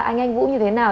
anh anh vũ như thế nào